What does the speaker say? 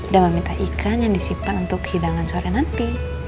dan meminta ikan yang disimpan untuk hidangan sore nanti